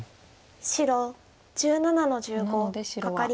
白１７の十五カカリ。